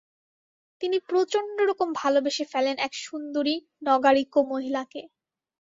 তিনি প্রচন্ডরকম ভালোবেসে ফেলেন এক সুন্দরী নগারিগো মহিলাকে।